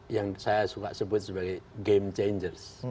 yang saya suka sebut sebagai game changers